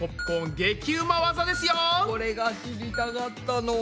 これが知りたかったの。